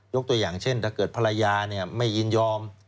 ตัวอย่างเช่นถ้าเกิดภรรยาไม่ยินยอม